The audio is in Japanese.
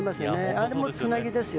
あれもつなぎですよ。